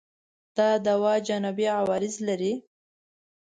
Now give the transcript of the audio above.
دا دوا جانبي عوارض لري؟